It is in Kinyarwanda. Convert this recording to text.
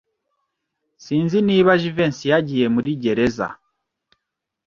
Sinzi niba Jivency yagiye muri gereza.